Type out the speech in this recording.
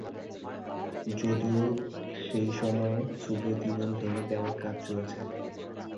যদিও সেই সময়ে, সোভিয়েত ইউনিয়ন ভেঙে দেওয়ার কাজ চলছে।